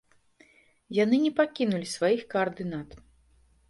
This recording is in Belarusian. Яны не пакінулі сваіх каардынат.